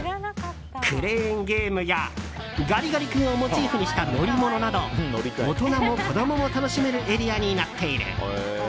クレーンゲームやガリガリ君をモチーフにした乗り物など大人も子供も楽しめるエリアになっている。